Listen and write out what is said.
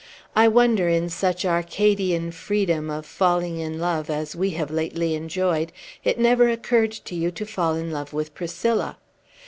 I wonder, in such Arcadian freedom of falling in love as we have lately enjoyed, it never occurred to you to fall in love with Priscilla.